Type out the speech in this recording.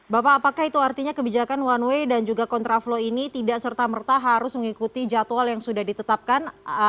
bapak apakah itu artinya kebijakan one way dan juga kontraflow ini tidak serta merta harus mengikuti jadwal yang sudah ditetapkan